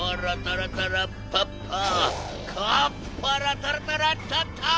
カーッパラタラタラッパッパー！